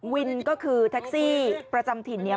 วินก็คือแท็กซี่ประจำถิ่นเนี่ย